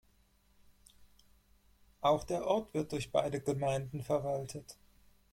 Auch der Ort wird durch beide Gemeinden verwaltet.